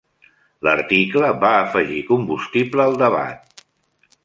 L'article va afegir combustible al debat.